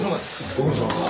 ご苦労さまです。